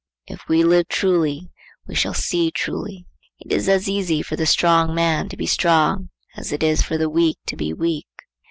If we live truly, we shall see truly. It is as easy for the strong man to be strong, as it is for the weak to be weak.